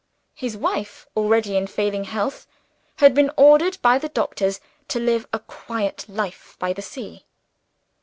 His wife already in failing health had been ordered by the doctors to live a quiet life by the sea.